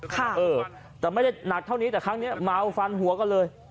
เออแต่ไม่ได้หนักเท่านี้แต่ครั้งนี้เมาฟันหัวกันเลย